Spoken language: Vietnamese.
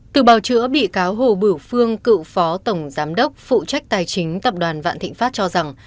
từ bào chữa bị cáo hồ bửu phương cựu phó tổng giám đốc phụ trách tài chính tập đoàn vạn thịnh pháp cho rằng